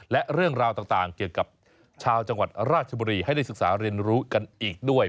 และเรื่องราวต่างเกี่ยวกับชาวจังหวัดราชบุรีให้ได้ศึกษาเรียนรู้กันอีกด้วย